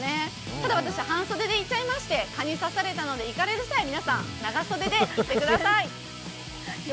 ただ私、半袖で行っちゃいまして蚊に刺されまして、行かれる際は皆さん、長袖で行ってください。